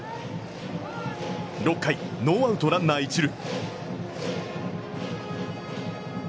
６回、ノーアウト、ランナー一塁。